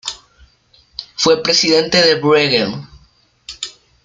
Fue presidente de Bruegel.